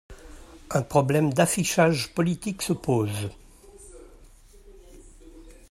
Un problème d’affichage politique se pose.